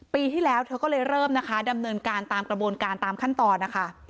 ปีที่แล้วเธอก็เลยเริ่มนะคะดำเนินการตามกระบวนการตามขั้นตอนนะคะ